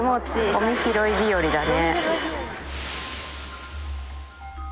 ゴミ拾い日和だね。